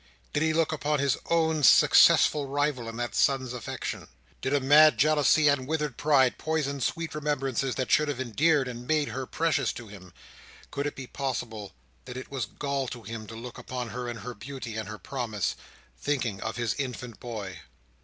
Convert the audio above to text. Did he look upon his own successful rival in that son's affection? Did a mad jealousy and withered pride, poison sweet remembrances that should have endeared and made her precious to him? Could it be possible that it was gall to him to look upon her in her beauty and her promise: thinking of his infant boy!